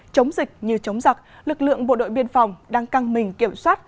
chống dịch như chống giặc lực lượng bộ đội biên phòng đang căng mình kiểm soát